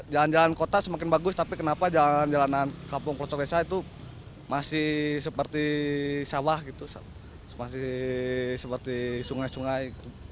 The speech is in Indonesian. jalan jalan kota semakin bagus tapi kenapa jalanan jalanan kampung kelosok desa itu masih seperti sawah gitu masih seperti sungai sungai